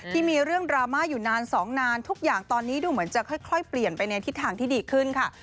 ที่มีเรื่องดราม่าอยู่นานสองนานทุกอย่างตอนนี้ดูเหมือนจะค่อยเปลี่ยนไปในทิศทางที่ดีขึ้นค่ะ